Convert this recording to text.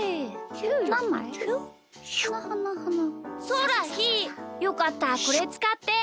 そうだひーよかったらこれつかって。